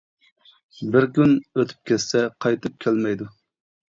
بىر كۈن ئۆتۈپ كەتسە قايتىپ كەلمەيدۇ.